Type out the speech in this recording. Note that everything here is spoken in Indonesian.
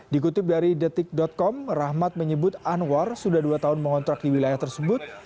dikutip dari detik com rahmat menyebut anwar sudah dua tahun mengontrak di wilayah tersebut